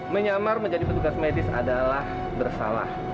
menyamar menjadi petugas medis adalah bersalah